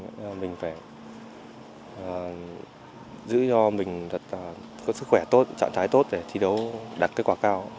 nên là mình phải giữ cho mình có sức khỏe tốt trạng thái tốt để thi đấu đạt kết quả cao